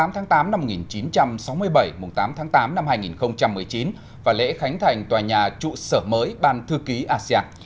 một mươi tháng tám năm một nghìn chín trăm sáu mươi bảy tám tháng tám năm hai nghìn một mươi chín và lễ khánh thành tòa nhà trụ sở mới ban thư ký asean